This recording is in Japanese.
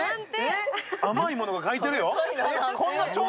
甘いものが書いてるよ。